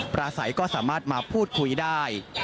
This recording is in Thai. ประสัยก็สามารถมาพูดคุยได้